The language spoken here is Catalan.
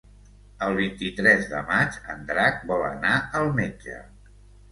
El vint-i-tres de maig en Drac vol anar al metge.